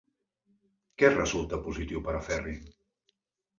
Què resulta positiu per a Ferri?